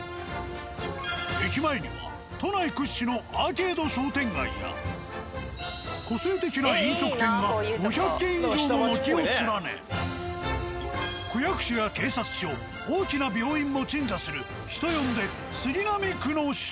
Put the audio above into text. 駅前には都内屈指のアーケード商店街や個性的な飲食店が５００軒以上も軒を連ね区役所や警察署大きな病院も鎮座する人呼んでそう。